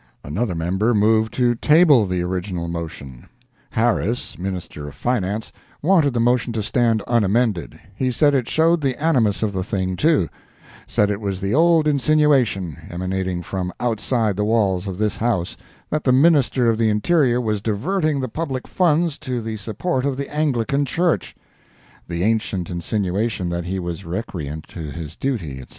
Another member moved to table the original motion. Harris, Minister of Finance, wanted the motion to stand unamended; he said it showed the animus of the thing, too; said it was the old insinuation, emanating from outside the walls of this House—that the Minister of the Interior was diverting the public funds to the support of the Anglican church; the ancient insinuation that he was recreant to his duty, etc.